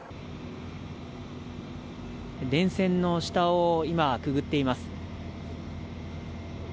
電線の下を今くぐっています。